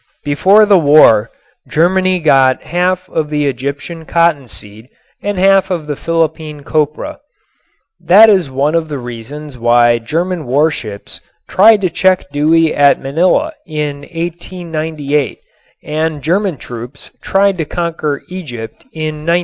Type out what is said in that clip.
Before the war Germany got half of the Egyptian cottonseed and half of the Philippine copra. That is one of the reasons why German warships tried to check Dewey at Manila in 1898 and German troops tried to conquer Egypt in 1915.